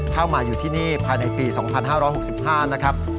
เข้ามาอยู่ที่นี่ภายในปี๒๕๖๕นะครับ